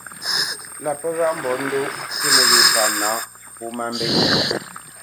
Lâ pə́ ghaʼ mbolendoʼ pí nəghé pâ nǎʼ pó má mbé.